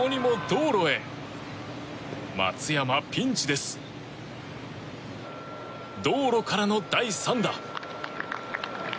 道路からの第３打。